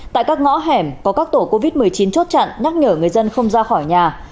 tại các ngõ hẻm có các tổ covid một mươi chín chốt chặn nhắc nhở người dân không ra khỏi nhà